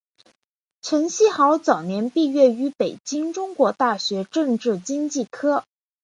陈希豪早年毕业于北京中国大学政治经济科。